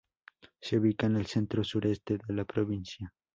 Se ubica en el centro-sureste de la provincia.